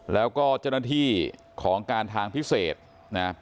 แล้วก็เจ้าหน้าที่ของการทางพิเศษนะ